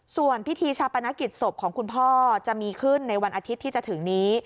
ส่วนพิธีชาปนกิจศพของคุณพ่อจะมีขึ้นในวันอาทิตย์ที่จะถึงนี้